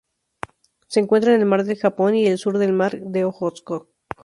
Se encuentra en el Mar del Japón y el sur del Mar de Ojotsk.